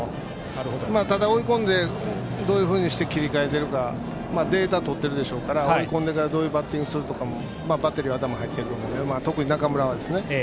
ただ追い込んでどういうふうにして切り替えるかデータを取ってるでしょうから追い込んでからどういうバッティングをするかもバッテリーは頭に入っていると思うので、特に中村は。